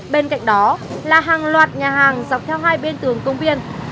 bên cạnh đó là hàng loạt nhà hàng dọc theo hai bên tường công viên